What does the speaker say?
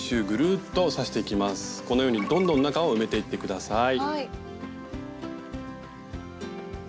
このようにどんどん中を埋めていって下さい。